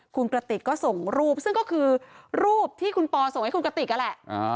คุณกระติกก็ส่งรูปซึ่งก็คือรูปที่คุณปอส่งให้คุณกระติกนั่นแหละ